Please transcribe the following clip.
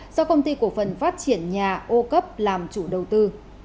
do công ty cổ phần phát triển nhà ô cấp làm chủ đầu tư